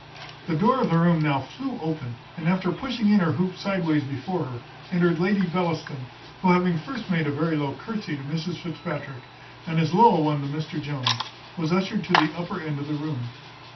The door of the room now flew open, and, after pushing in her hoop sideways before her, entered Lady Bellaston, who having first made a very low courtesy to Mrs Fitzpatrick, and as low a one to Mr Jones, was ushered to the upper end of the room.